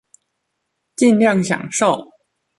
儘量享受